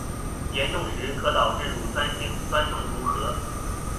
严重时可导致乳酸性酸中毒和。